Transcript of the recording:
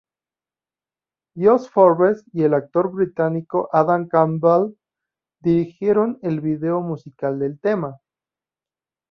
Josh Forbes y el actor británico Adam Campbell dirigieron el vídeo musical del tema.